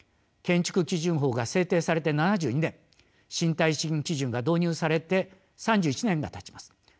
建築基準法が制定されて７２年新耐震基準が導入されて３１年がたちます。